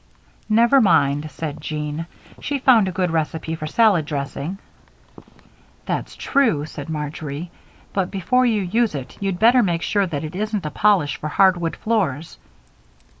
"Never mind," said Jean, "she found a good recipe for salad dressing." "That's true," said Marjory, "but before you use it you'd better make sure that it isn't a polish for hardwood floors.